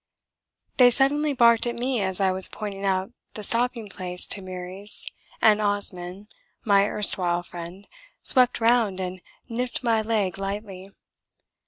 They suddenly barked at me as I was pointing out the stopping place to Meares, and Osman, my erstwhile friend, swept round and nipped my leg lightly.